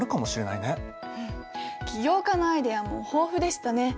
起業家のアイデアも豊富でしたね。